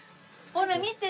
ほら見て！